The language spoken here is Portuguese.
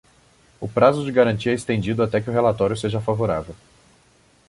O prazo de garantia é estendido até que o relatório seja favorável.